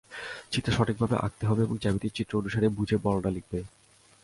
চিত্র সঠিকভাবে আঁকতে শিখবে এবং জ্যামিতির চিত্র অনুসারে বুঝে বর্ণনা লিখবে।